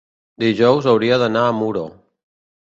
Dilluns hauria d'anar a Muro.